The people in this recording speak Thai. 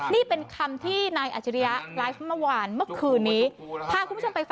นี่เป็นคำที่นายอาจารยาไลฟ์เมื่อวานเมื่อคืนนี้